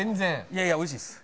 いやいや美味しいです。